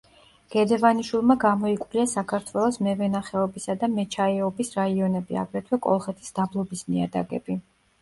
გედევანიშვილმა გამოიკვლია საქართველოს მევენახეობისა და მეჩაიეობის რაიონები, აგრეთვე კოლხეთის დაბლობის ნიადაგები.